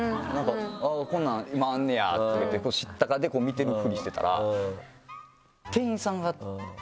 あぁこんなん今あんねやと思って知ったかで見てるふりしてたら。